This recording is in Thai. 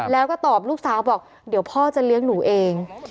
แล้วก็ตอบลูกสาวบอกเดี๋ยวพ่อจะเลี้ยงหนูเอง